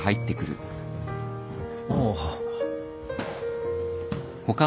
ああ。